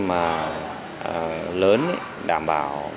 mà lớn đảm bảo